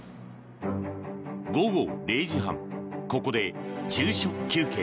午後０時半、ここで昼食休憩。